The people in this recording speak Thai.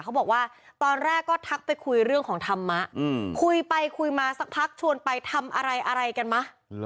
เขาบอกว่าตอนแรกก็ทักไปคุยเรื่องของธรรมะคุยไปคุยมาสักพักชวนไปทำอะไรอะไรกันไหม